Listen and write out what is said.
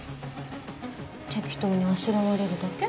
適当にあしらわれるだけ？